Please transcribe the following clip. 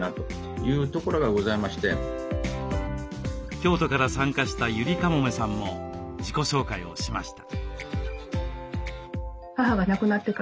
京都から参加したゆりかもめさんも自己紹介をしました。